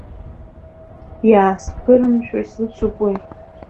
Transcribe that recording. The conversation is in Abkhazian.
Иаасԥырымшәо исыцуп уи.